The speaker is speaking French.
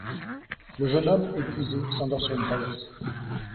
Le jeune homme, épuisé, s'endort sur une paillasse.